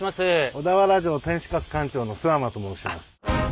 小田原城天守閣館長の諏訪間と申します。